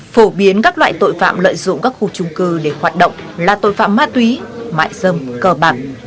phổ biến các loại tội phạm lợi dụng các khu trung cư để hoạt động là tội phạm ma túy mại dâm cờ bạc